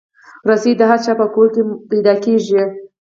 رسۍ د هر چا په کور کې موندل کېږي.